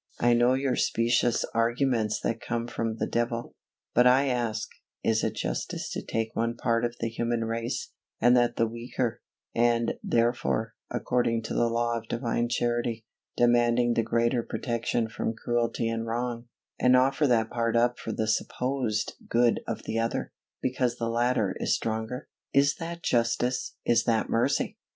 I know your specious arguments that come from the devil; but I ask, is it justice to take one part of the human race, and that the weaker, and, therefore, according to the law of Divine Charity, demanding the greater protection from cruelty and wrong, and offer that part up for the supposed good of the other, because the latter is stronger? Is that justice? Is that mercy?